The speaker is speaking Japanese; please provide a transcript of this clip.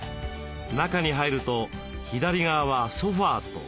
中に入ると左側はソファーと学習机。